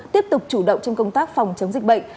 tiếp tục chủ động trong công tác phòng chống dịch bệnh